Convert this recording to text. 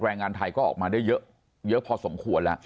แรงงานไทยก็ออกมาได้เยอะพอสมควรแล้ว